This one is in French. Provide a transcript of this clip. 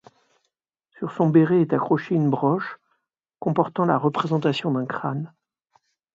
Sur son béret est accrochée une broche comportant la représentation d'un crâne.